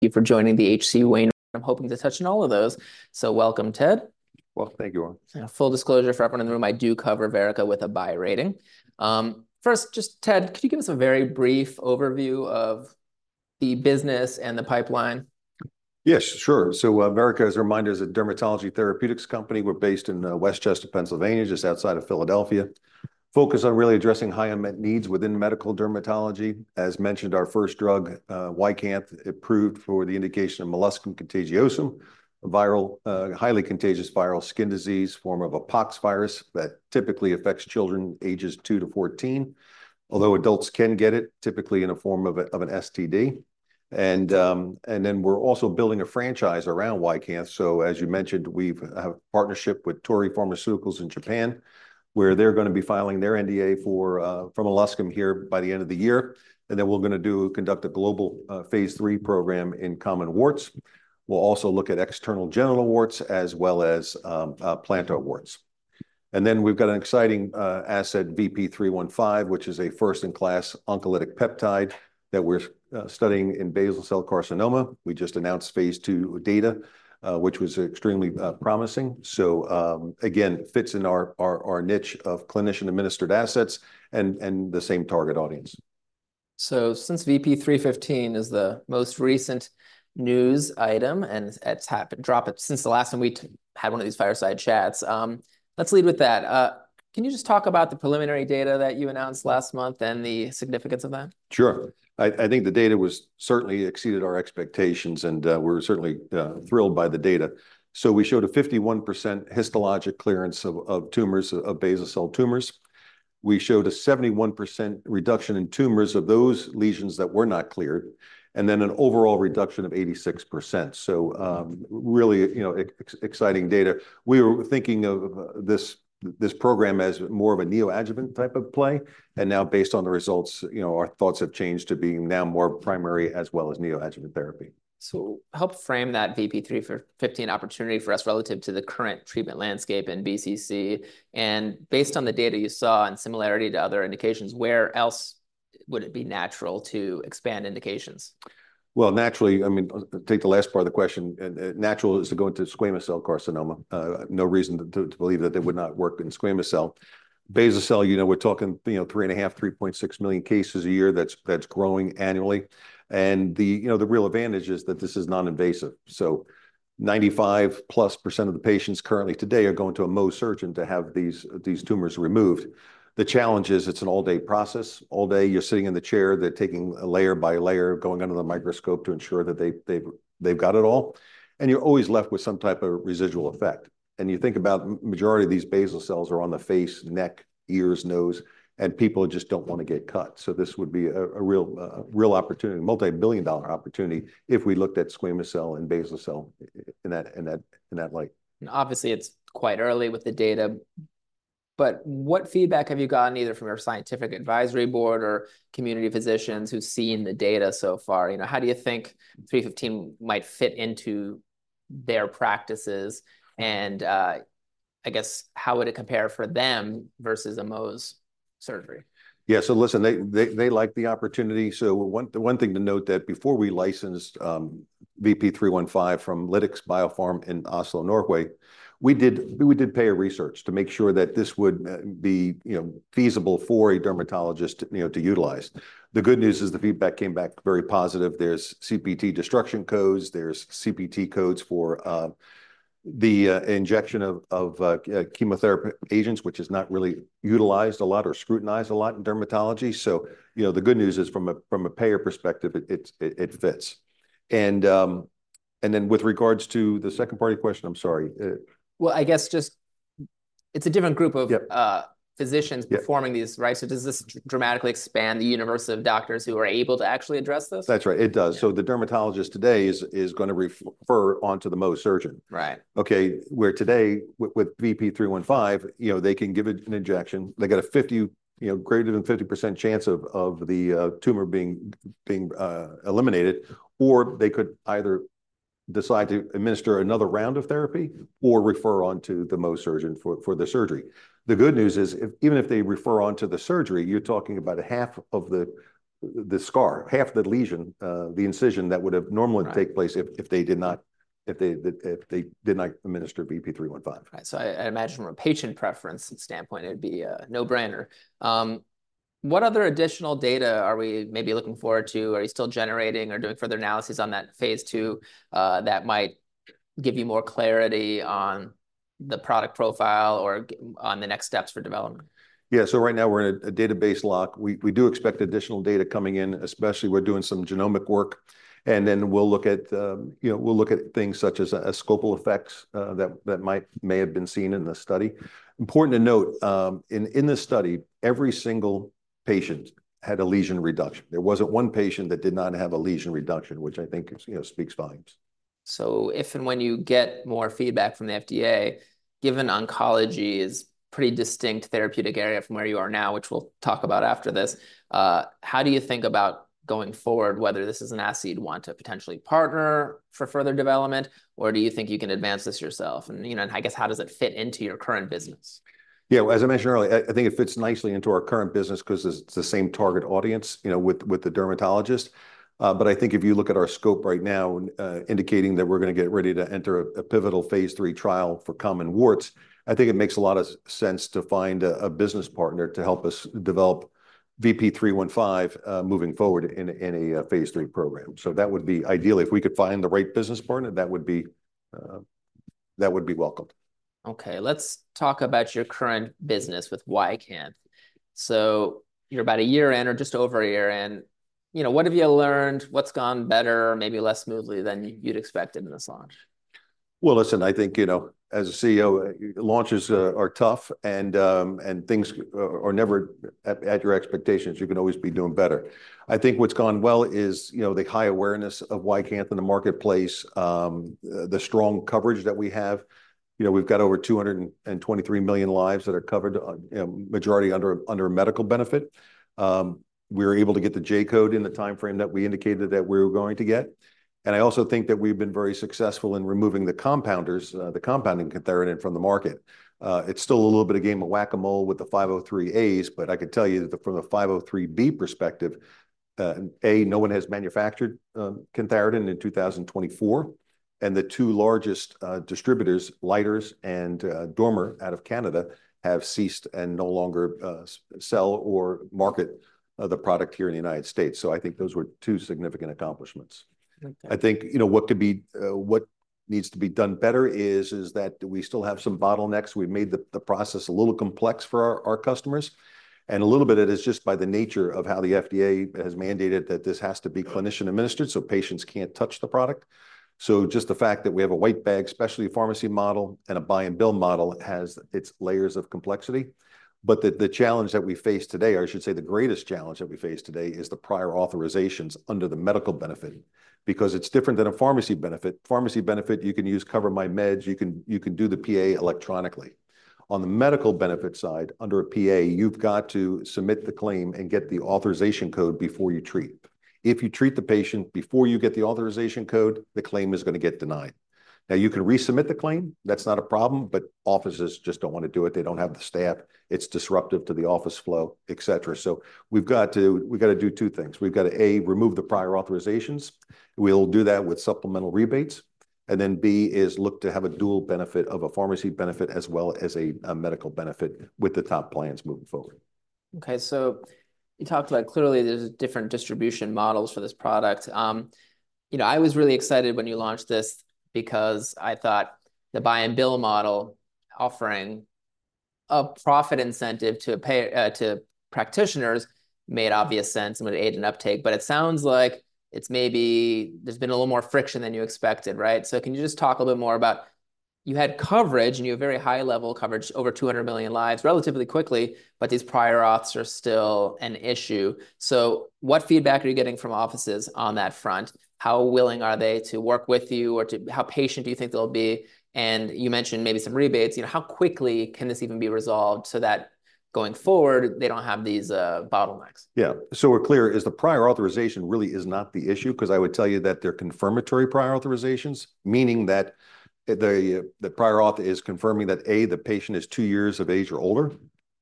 you for joining the H.C. Wainwright. I'm hoping to touch on all of those, so welcome, Ted. Thank you all. Full disclosure for everyone in the room, I do cover Verrica with a buy rating. First, just, Ted, could you give us a very brief overview of the business and the pipeline? Yes, sure. So, Verrica, as a reminder, is a dermatology therapeutics company. We're based in West Chester, Pennsylvania, just outside of Philadelphia, focused on really addressing high unmet needs within medical dermatology. As mentioned, our first drug, YCANTH, approved for the indication of molluscum contagiosum, a viral, highly contagious viral skin disease, form of a pox virus that typically affects children ages 2 to 14. Although adults can get it, typically in a form of an STD. And then we're also building a franchise around YCANTH, so as you mentioned, we've a partnership with Torii Pharmaceuticals in Japan, where they're gonna be filing their NDA for molluscum here by the end of the year. Then we're gonna conduct a global phase III program in common warts. We'll also look at external genital warts as well as plantar warts. And then we've got an exciting asset, VP-315, which is a first-in-class oncolytic peptide that we're studying in basal cell carcinoma. We just announced phase II data, which was extremely promising. So, again, fits in our niche of clinician-administered assets and the same target audience. So since VP-315 is the most recent news item, and it's happened, dropped since the last time we had one of these fireside chats, let's lead with that. Can you just talk about the preliminary data that you announced last month and the significance of that? Sure. I think the data was certainly exceeded our expectations, and we're certainly thrilled by the data. So we showed a 51% histologic clearance of tumors of basal cell tumors. We showed a 71% reduction in tumors of those lesions that were not cleared, and then an overall reduction of 86%, so really, you know, exciting data. We were thinking of this program as more of a neoadjuvant type of play, and now based on the results, you know, our thoughts have changed to being now more primary as well as neoadjuvant therapy. So help frame that VP-315 opportunity for us relative to the current treatment landscape in BCC, and based on the data you saw and similarity to other indications, where else would it be natural to expand indications? Naturally, I mean, take the last part of the question, and naturally to go into squamous cell carcinoma. No reason to believe that it would not work in squamous cell. Basal cell, you know, we're talking, you know, 3.5, 3.6 million cases a year that's growing annually. And the, you know, the real advantage is that this is non-invasive. So 95%+ of the patients currently today are going to a Mohs surgeon to have these tumors removed. The challenge is, it's an all-day process. All day, you're sitting in the chair, they're taking layer by layer, going under the microscope to ensure that they've got it all, and you're always left with some type of residual effect. You think about majority of these basal cells are on the face, neck, ears, nose, and people just don't want to get cut. So this would be a real opportunity, multi-billion dollar opportunity if we looked at squamous cell and basal cell in that light. Obviously, it's quite early with the data, but what feedback have you gotten, either from your scientific advisory board or community physicians who've seen the data so far? You know, how do you think VP-315 might fit into their practices, and, I guess, how would it compare for them versus a Mohs surgery? Yeah, so listen, they like the opportunity. So one thing to note that before we licensed VP-315 from Lytix Biopharma in Oslo, Norway, we did payer research to make sure that this would be, you know, feasible for a dermatologist, you know, to utilize. The good news is the feedback came back very positive. There's CPT destruction codes, there's CPT codes for the injection of chemotherapy agents, which is not really utilized a lot or scrutinized a lot in dermatology. So, you know, the good news is from a payer perspective, it fits. And then with regards to the second part of your question, I'm sorry. Well, I guess just... it's a different group of- Yep... physicians Yeah performing these, right? So does this dramatically expand the universe of doctors who are able to actually address this? That's right, it does so the dermatologist today is gonna refer onto the Mohs surgeon. Right. Okay, where today, with VP-315, you know, they can give it an injection. They got a 50, you know, greater than 50% chance of the tumor being eliminated, or they could either decide to administer another round of therapy or refer on to the Mohs surgeon for the surgery. The good news is, even if they refer on to the surgery, you're talking about a half of the scar, half the lesion, the incision that would have normally take place if they did not administer VP-315. Right. So I imagine from a patient preference standpoint, it'd be a no-brainer. What other additional data are we maybe looking forward to? Are you still generating or doing further analysis on that phase II that might give you more clarity on the product profile or on the next steps for development? Yeah, so right now we're in a database lock. We do expect additional data coming in, especially we're doing some genomic work, and then we'll look at, you know, we'll look at things such as abscopal effects that may have been seen in the study. Important to note, in the study, every single patient had a lesion reduction. There wasn't one patient that did not have a lesion reduction, which I think is, you know, speaks volumes.... So if and when you get more feedback from the FDA, given oncology is pretty distinct therapeutic area from where you are now, which we'll talk about after this, how do you think about going forward, whether this is an asset you'd want to potentially partner for further development, or do you think you can advance this yourself? And, you know, and I guess, how does it fit into your current business? Yeah, as I mentioned earlier, I think it fits nicely into our current business 'cause it's the same target audience, you know, with the dermatologist. But I think if you look at our scope right now, indicating that we're gonna get ready to enter a pivotal phase III trial for common warts, I think it makes a lot of sense to find a business partner to help us develop VP-315 moving forward in a phase III program. So that would be ideally, if we could find the right business partner, that would be welcomed. Okay, let's talk about your current business with YCANTH. So you're about a year in or just over a year in, you know, what have you learned? What's gone better or maybe less smoothly than you'd expected in this launch? Well, listen, I think, you know, as a CEO, launches are tough, and things are never at your expectations. You can always be doing better. I think what's gone well is, you know, the high awareness of YCANTH in the marketplace, the strong coverage that we have. You know, we've got over 223 million lives that are covered on majority under a medical benefit. We're able to get the J-code in the timeframe that we indicated that we were going to get, and I also think that we've been very successful in removing the compounders, the compounding cantharidin from the market. It's still a little bit of a game of Whac-A-Mole with the 503As, but I can tell you that from the 503B perspective, no one has manufactured cantharidin in 2024, and the two largest distributors, Leiters and Dormer out of Canada, have ceased and no longer sell or market the product here in the United States. So I think those were two significant accomplishments. Okay. I think, you know, what could be what needs to be done better is that we still have some bottlenecks. We've made the process a little complex for our customers, and a little bit it is just by the nature of how the FDA has mandated that this has to be clinician administered, so patients can't touch the product. So just the fact that we have a white bag, specialty pharmacy model, and a buy and bill model has its layers of complexity. But the challenge that we face today, or I should say, the greatest challenge that we face today, is the prior authorizations under the medical benefit because it's different than a pharmacy benefit. Pharmacy benefit, you can use CoverMyMeds. You can do the PA electronically. On the medical benefit side, under a PA, you've got to submit the claim and get the authorization code before you treat. If you treat the patient before you get the authorization code, the claim is gonna get denied. Now, you can resubmit the claim, that's not a problem, but offices just don't wanna do it. They don't have the staff. It's disruptive to the office flow, et cetera. So we've got to, we've gotta do two things. We've gotta, A, remove the prior authorizations. We'll do that with supplemental rebates. And then, B, is look to have a dual benefit of a pharmacy benefit as well as a medical benefit with the top plans moving forward. Okay, so you talked about clearly there's different distribution models for this product. You know, I was really excited when you launched this because I thought the buy and bill model offering a profit incentive to practitioners made obvious sense and would aid in uptake, but it sounds like it's maybe there's been a little more friction than you expected, right? So can you just talk a little bit more about... You had coverage, and you had very high-level coverage, over two hundred million lives, relatively quickly, but these prior auths are still an issue. So what feedback are you getting from offices on that front? How willing are they to work with you, or how patient do you think they'll be? And you mentioned maybe some rebates. You know, how quickly can this even be resolved so that going forward, they don't have these bottlenecks? Yeah. So we're clear, is the prior authorization really is not the issue? 'Cause I would tell you that they're confirmatory prior authorizations, meaning that the the prior auth is confirming that, A, the patient is two years of age or older,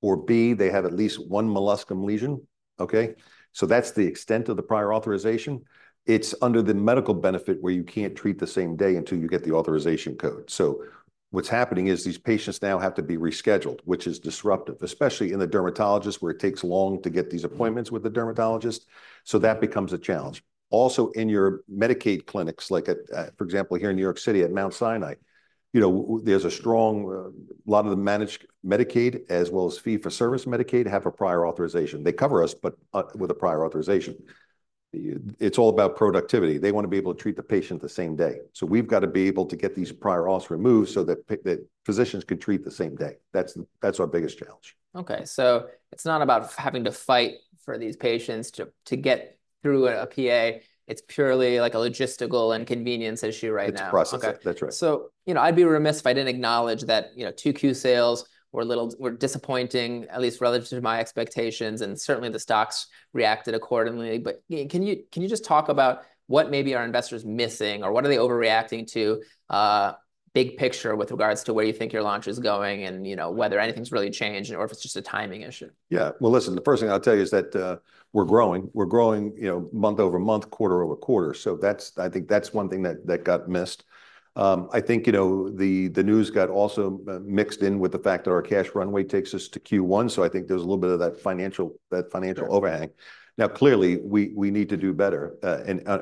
or, B, they have at least one molluscum lesion. Okay? So that's the extent of the prior authorization. It's under the medical benefit, where you can't treat the same day until you get the authorization code. So what's happening is these patients now have to be rescheduled, which is disruptive, especially in the dermatologist, where it takes long to get these appointments with the dermatologist. So that becomes a challenge. Also, in your Medicaid clinics, like at, for example, here in New York City at Mount Sinai, you know, there's a strong... lot of the managed Medicaid as well as fee-for-service Medicaid have a prior authorization. They cover us, but with a prior authorization. It's all about productivity. They wanna be able to treat the patient the same day, so we've got to be able to get these prior auths removed so that the physicians can treat the same day. That's, that's our biggest challenge. Okay, so it's not about having to fight for these patients to get through a PA. It's purely, like, a logistical and convenience issue right now. It's a process. Okay. That's right. So, you know, I'd be remiss if I didn't acknowledge that, you know, Q2 sales were disappointing, at least relative to my expectations, and certainly the stocks reacted accordingly. But, can you just talk about what maybe are investors missing, or what are they overreacting to, big picture, with regards to where you think your launch is going and, you know, whether anything's really changed or if it's just a timing issue? Yeah. Well, listen, the first thing I'll tell you is that we're growing. We're growing, you know, month over month, quarter-over-quarter. So that's I think that's one thing that got missed. I think, you know, the news got also mixed in with the fact that our cash runway takes us to Q1, so I think there's a little bit of that financial overhang. Now, clearly, we need to do better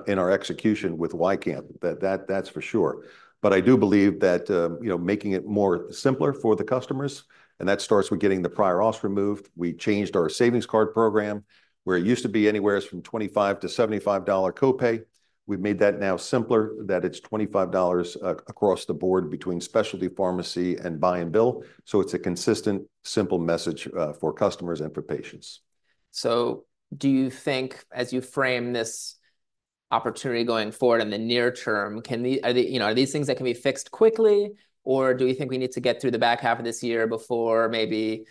in our execution with YCANTH. That's for sure. But I do believe that, you know, making it more simpler for the customers, and that starts with getting the prior auths removed. We changed our savings card program, where it used to be anywhere from $25-$75 copay. We've made that now simpler, that it's $25 across the board between specialty pharmacy and buy and bill. So it's a consistent, simple message for customers and for patients.... So do you think as you frame this opportunity going forward in the near term, can they, are they, you know, are these things that can be fixed quickly, or do we think we need to get through the back half of this year before maybe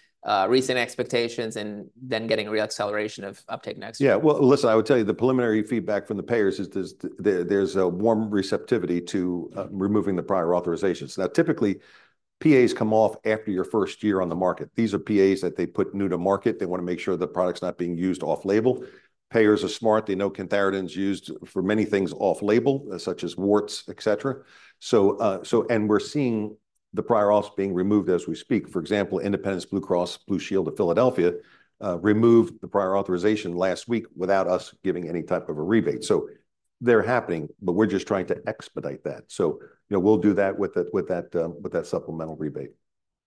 reset expectations and then getting a reacceleration of uptake next year? Yeah. Well, listen, I would tell you the preliminary feedback from the payers is there's a warm receptivity to removing the prior authorizations. Now, typically, PAs come off after your first year on the market. These are PAs that they put new to market. They want to make sure the product's not being used off-label. Payers are smart. They know cantharidin's used for many things off-label, such as warts, et cetera. So, we're seeing the prior auths being removed as we speak. For example, Independence Blue Cross of Philadelphia removed the prior authorization last week without us giving any type of a rebate. So they're happening, but we're just trying to expedite that. So, you know, we'll do that with that supplemental rebate.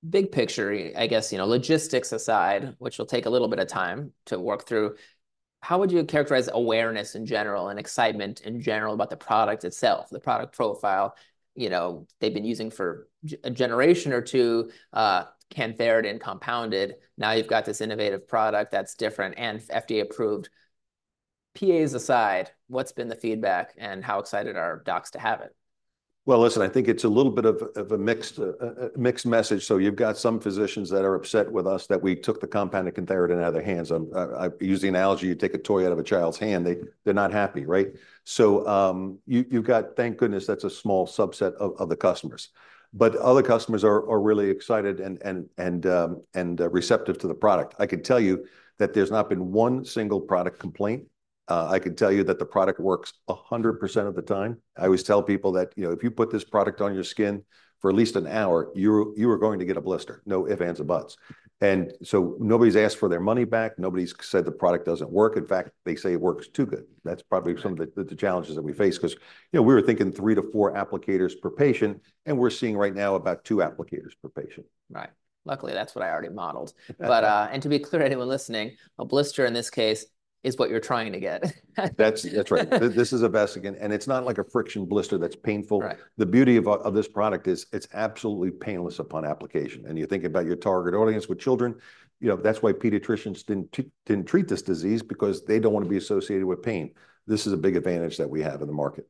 Big picture, I guess, you know, logistics aside, which will take a little bit of time to work through, how would you characterize awareness in general and excitement in general about the product itself, the product profile? You know, they've been using for a generation or two, cantharidin compounded. Now you've got this innovative product that's different and FDA-approved. PAs aside, what's been the feedback, and how excited are docs to have it? Well, listen, I think it's a little bit of a mixed message. So you've got some physicians that are upset with us that we took the compounded cantharidin out of their hands. I use the analogy, you take a toy out of a child's hand, they're not happy, right? So you've got... Thank goodness, that's a small subset of the customers. But other customers are really excited and receptive to the product. I can tell you that there's not been one single product complaint. I can tell you that the product works 100% of the time. I always tell people that, you know, "If you put this product on your skin for at least an hour, you are going to get a blister, no ifs, ands, or buts." And so nobody's asked for their money back. Nobody's said the product doesn't work. In fact, they say it works too good. Right. That's probably some of the challenges that we face, 'cause, you know, we were thinking 3-4 applicators per patient, and we're seeing right now about two applicators per patient. Right. Luckily, that's what I already modeled. But, and to be clear, anyone listening, a blister in this case is what you're trying to get. That's right. This is a vesicant, and it's not like a friction blister that's painful. Right. The beauty of this product is it's absolutely painless upon application, and you're thinking about your target audience with children. You know, that's why pediatricians didn't treat this disease, because they don't want to be associated with pain. This is a big advantage that we have in the market.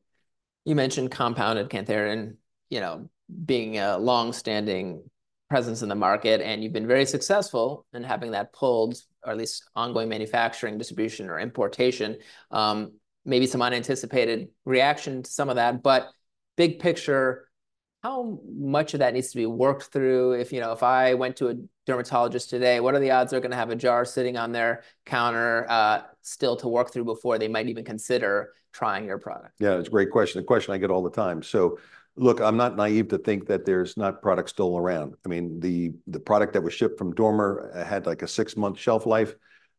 You mentioned compounded cantharidin, you know, being a long-standing presence in the market, and you've been very successful in having that pulled, or at least ongoing manufacturing, distribution, or importation. Maybe some unanticipated reaction to some of that, but big picture, how much of that needs to be worked through? If, you know, if I went to a dermatologist today, what are the odds they're gonna have a jar sitting on their counter, still to work through before they might even consider trying your product? Yeah, it's a great question, a question I get all the time. So look, I'm not naive to think that there's not product still around. I mean, the product that was shipped from Dormer had, like, a 6 month shelf life.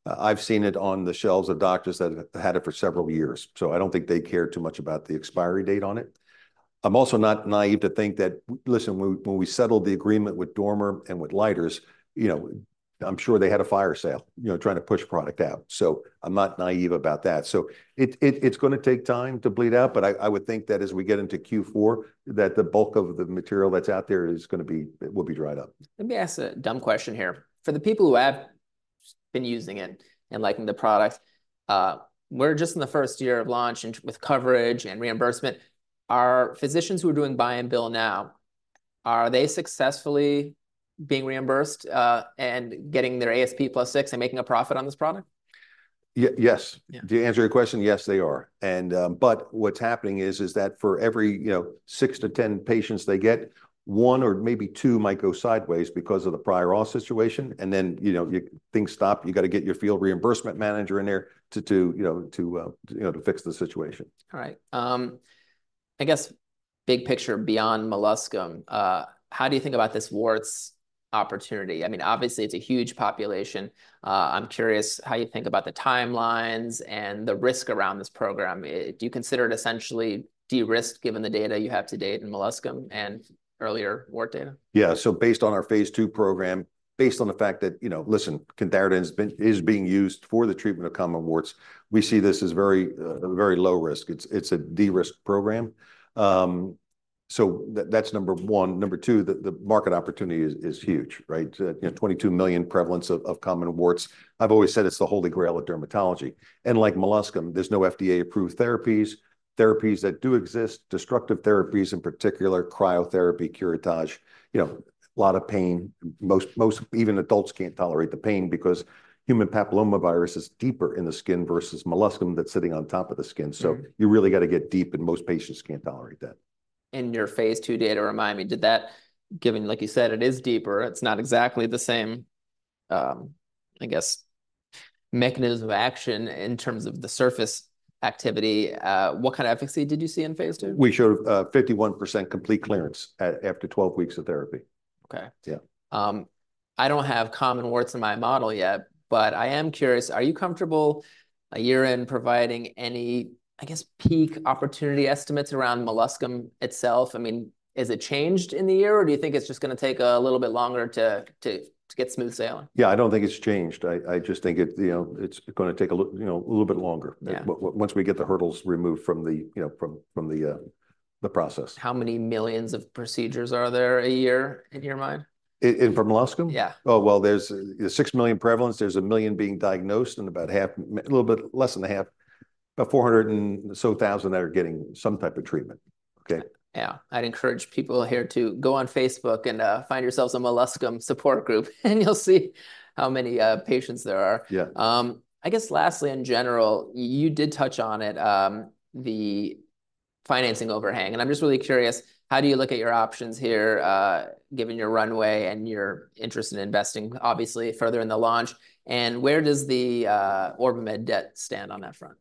I've seen it on the shelves of doctors that have had it for several years, so I don't think they care too much about the expiry date on it. I'm also not naive to think that... Listen, when we settled the agreement with Dormer and with Leiters, you know, I'm sure they had a fire sale, you know, trying to push product out. So I'm not naive about that. So it, it's gonna take time to bleed out, but I, I would think that as we get into Q4, that the bulk of the material that's out there is gonna be- will be dried up. Let me ask a dumb question here. For the people who have been using it and liking the product, we're just in the first year of launch and with coverage and reimbursement, are physicians who are doing buy and bill now, are they successfully being reimbursed, and getting their ASP plus six and making a profit on this product? Yes. Yeah. To answer your question, yes, they are. But what's happening is that for every, you know, 6-10 patients they get, one or maybe two might go sideways because of the prior auth situation, and then, you know, things stop. You gotta get your field reimbursement manager in there to, you know, to fix the situation. All right. I guess big picture, beyond molluscum, how do you think about this warts opportunity? I mean, obviously, it's a huge population. I'm curious how you think about the timelines and the risk around this program. Do you consider it essentially de-risked, given the data you have to date in molluscum and earlier wart data? Yeah, so based on our phase II program, based on the fact that, you know, listen, cantharidin's been- is being used for the treatment of common warts, we see this as very, a very low risk. It's, it's a de-risk program. So that, that's number one. Number two, the market opportunity is huge, right? You know, 22 million prevalence of common warts. I've always said it's the holy grail of dermatology. And like molluscum, there's no FDA-approved therapies. Therapies that do exist, destructive therapies, in particular, cryotherapy, curettage, you know, a lot of pain. Most even adults can't tolerate the pain because human papillomavirus is deeper in the skin versus molluscum that's sitting on top of the skin. Mm-hmm. So you really got to get deep, and most patients can't tolerate that. In your phase II data, remind me, given, like you said, it is deeper, it's not exactly the same, I guess, mechanism of action in terms of the surface activity, what kind of efficacy did you see in phase II? We showed 51% complete clearance after 12 weeks of therapy. Okay. Yeah. I don't have common warts in my model yet, but I am curious: Are you comfortable, a year in, providing any, I guess, peak opportunity estimates around molluscum itself? I mean, has it changed in the year, or do you think it's just gonna take a little bit longer to get smooth sailing? Yeah, I don't think it's changed. I just think it, you know, it's gonna take you know, a little bit longer- Yeah .Once we get the hurdles removed from the, you know, the process. How many millions of procedures are there a year, in your mind? In for molluscum? Yeah. Oh, well, there's a six million prevalence. There's a million being diagnosed, and about half, a little bit less than a half, about four hundred thousand or so that are getting some type of treatment. Okay? Yeah. I'd encourage people here to go on Facebook and find yourselves a molluscum support group, and you'll see how many patients there are. Yeah. I guess lastly, in general, you did touch on it, the financing overhang, and I'm just really curious: how do you look at your options here, given your runway and your interest in investing, obviously, further in the launch? And where does the OrbiMed debt stand on that front?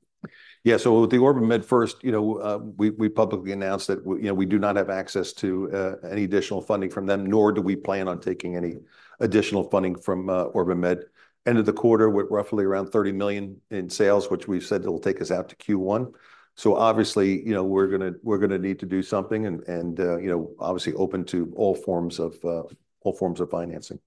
Yeah, so with the OrbiMed first, you know, we publicly announced that you know, we do not have access to any additional funding from them, nor do we plan on taking any additional funding from OrbiMed. Ended the quarter with roughly around $30 million in sales, which we've said it'll take us out to Q1. So obviously, you know, we're gonna need to do something, and you know, obviously open to all forms of financing.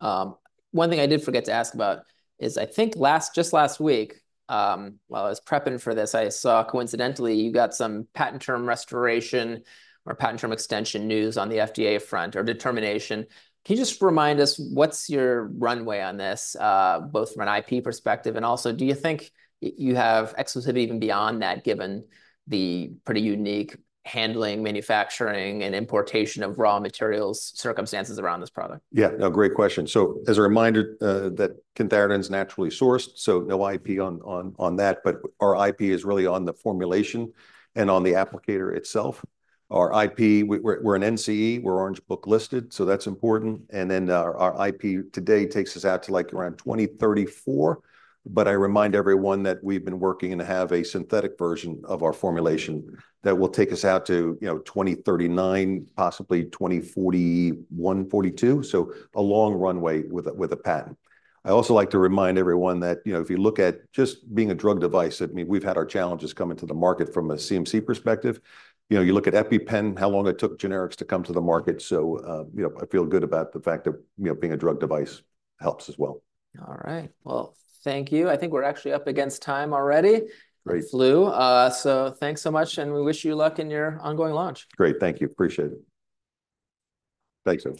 One thing I did forget to ask about is, I think just last week, while I was prepping for this, I saw coincidentally, you got some patent term restoration or patent term extension news on the FDA front, or determination. Can you just remind us, what's your runway on this, both from an IP perspective, and also, do you think you have exclusivity even beyond that, given the pretty unique handling, manufacturing, and importation of raw materials circumstances around this product? Yeah, no, great question. So as a reminder, that cantharidin's naturally sourced, so no IP on that, but our IP is really on the formulation and on the applicator itself. Our IP, we're an NCE, we're Orange Book listed, so that's important. And then, our IP today takes us out to, like, around twenty thirty-four, but I remind everyone that we've been working and have a synthetic version of our formulation that will take us out to, you know, 2039, possibly 2041, 2042, so a long runway with a patent. I also like to remind everyone that, you know, if you look at just being a drug device, I mean, we've had our challenges coming to the market from a CMC perspective. You know, you look at EpiPen, how long it took generics to come to the market. You know, I feel good about the fact that, you know, being a drug device helps as well. All right. Well, thank you. I think we're actually up against time already. Great. It flew. So thanks so much, and we wish you luck in your ongoing launch. Great. Thank you. Appreciate it. Thanks, Ted.